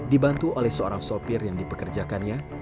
dibantu oleh seorang sopir yang dipekerjakannya